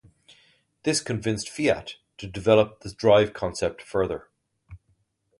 This convinced Fiat to develop the drive concept further.